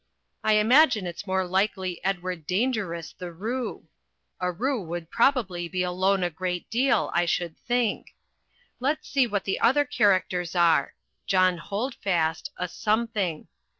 I imagine it's more likely Edward Dangerous the Roo. A roo would probably be alone a great deal, I should think. Let's see what the other characters are JOHN HOLDFAST, a something.